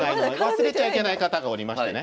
忘れちゃいけない方がおりましてね